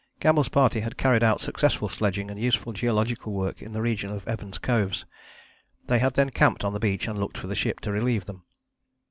Campbell's party had carried out successful sledging and useful geological work in the region of Evans Coves. They had then camped on the beach and looked for the ship to relieve them.